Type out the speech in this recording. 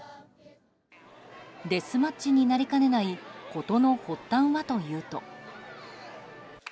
デスマッチになりかねない事の発端はというと。